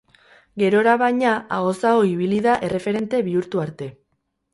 Gerora baina, ahoz aho ibili da, erreferente bihurtu arte.